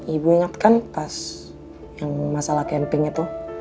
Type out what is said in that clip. ibu ingatkan pas yang masalah camping itu